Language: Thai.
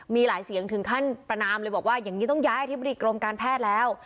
มีหลายเสียงถึงขั้นประนามเลยบอกว่าอย่างนี้ต้องย้ายอธิบดีกรมการแพทย์แล้ว